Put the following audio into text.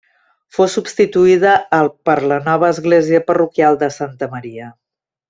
Fou substituïda el per la nova església parroquial de Santa Maria.